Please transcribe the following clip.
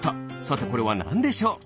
さてこれはなんでしょう？